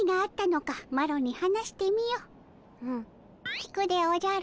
聞くでおじゃる。